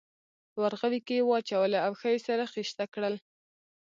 په ورغوي کې یې واچولې او ښه یې سره خیشته کړل.